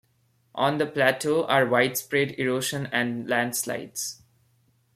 On the plateau are widespread erosion and landslides.